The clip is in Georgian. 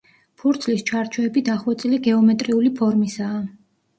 ფურცლის ჩარჩოები დახვეწილი გეომეტრიული ფორმისაა.